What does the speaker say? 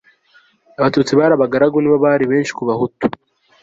abatutsi bari abagaragu ni bo bari benshi ku bahutu